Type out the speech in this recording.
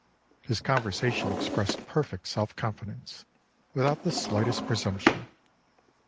His conversation expressed perfect self confidence, without the slightest presumption.